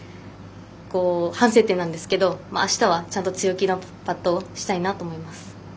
反省点なんですけどあしたはちゃんと強気なパットをしたいと思います。